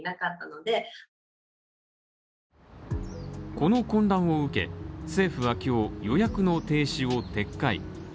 この混乱を受け、政府は今日、予約の停止を撤回。